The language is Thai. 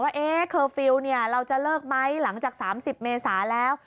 ว่าเคอร์ฟิลล์เราจะเลิกไหมหลังจาก๓๐เมษาแล้ว